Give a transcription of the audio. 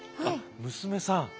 娘さん。